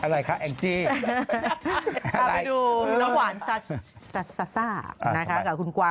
รองชุดแต่งงานกันละนะฮะ